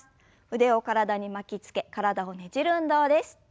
腕を体に巻きつけ体をねじる運動です。